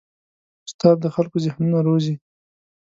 استاد د خلکو ذهنونه روزي.